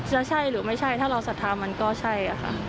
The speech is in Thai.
จะใช่หรือไม่ใช่ถ้าเราศรัทธามันก็ใช่ค่ะ